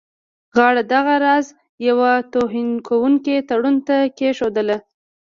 غاړه دغه راز یوه توهینونکي تړون ته کښېښودله.